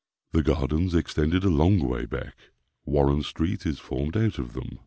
The gardens extended a long way back. Warren street is formed out of them.